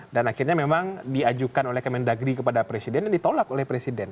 dan akhirnya memang diajukan oleh kementerian negeri kepada presiden dan ditolak oleh presiden